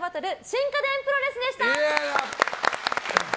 新家電プロレスでした。